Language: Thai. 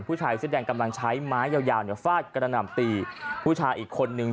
ผู้ชายแสดงกำลังใช้ไม้ยาวฟาดกระหน่ำตีผู้ชายอีกคนหนึ่ง